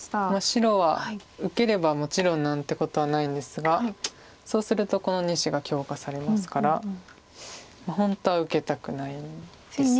白は受ければもちろん何てことはないんですがそうするとこの２子が強化されますから本当は受けたくないんです。